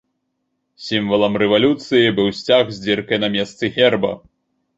Сімвалам рэвалюцыі быў сцяг з дзіркай на месцы герба.